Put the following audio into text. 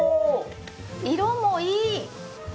色もいい。